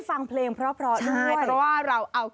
สนุนโดยอีซุสุข